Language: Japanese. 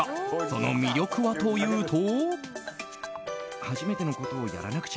その魅力はというと。